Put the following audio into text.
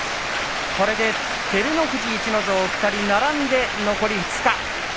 これで照ノ富士、逸ノ城並んで残り２日。